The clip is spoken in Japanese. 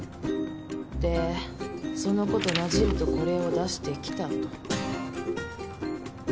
でそのことなじるとこれを出してきたと。